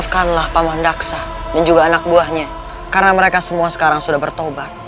kami ini semua sudah bertobat